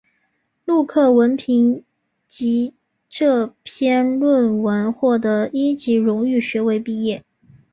陆克文凭藉这篇论文获得一级荣誉学位毕业。